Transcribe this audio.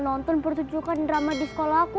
gue nonton pertujukan drama di sekolah aku